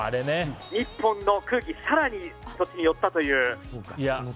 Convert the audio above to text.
日本の空気更にこっちに寄ったという。